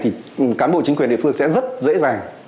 thì cán bộ chính quyền địa phương sẽ rất dễ dàng